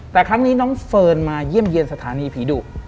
แต่ครั้งนี้น้องเฟิร์นมาเยี่ยมเยี่ยมสถานีผีดุ